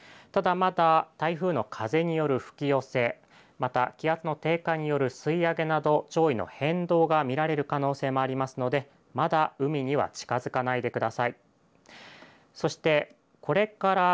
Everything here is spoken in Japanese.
ただまだ台風の風による吹き寄せまた気圧の低下によるすいあげなど潮位の変動が見られる可能性もありますのでまだ海には近づかないでください。